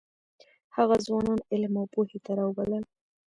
هغه ځوانان علم او پوهې ته راوبلل.